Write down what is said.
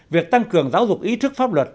việc tăng cường giáo dục ý thức pháp luật